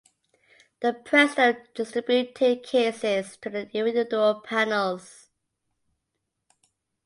The president distributed the cases to the individual panels.